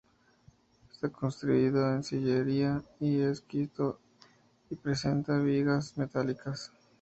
Está construido en sillería y esquisto, y presenta vigas metálicas.